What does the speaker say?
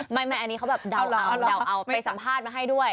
ไม่อันนี้เขาแบบเดาเอาไปสัมภาษณ์มาให้ด้วย